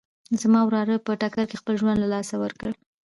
زما وراره په ټکر کې خپل ژوند له لاسه ورکړ